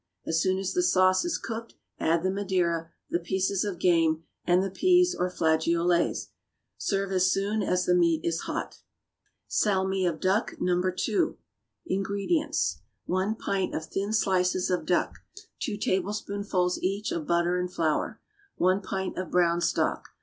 As soon as the sauce is cooked, add the madeira, the pieces of game, and the peas or flageolets. Serve as soon as the meat is hot. =Salmi of Duck, No. 2.= INGREDIENTS. 1 pint of thin slices of duck. 2 tablespoonfuls, each, of butter and flour. 1 pint of brown stock.